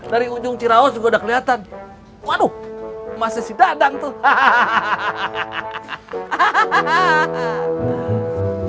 dari ujung ciraos juga udah kelihatan waduh masih dadang tuh hahaha hahaha